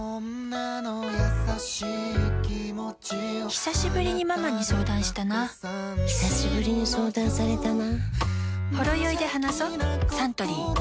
ひさしぶりにママに相談したなひさしぶりに相談されたな